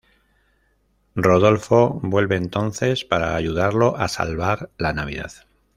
Rodolfo vuelve entonces para ayudarlo a salvar la Navidad.